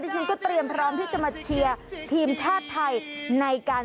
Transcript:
ฉันก็เตรียมพร้อมที่จะมาเชียร์ทีมชาติไทยในการ